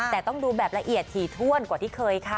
แต่ต้องดูแบบละเอียดถี่ถ้วนกว่าที่เคยค่ะ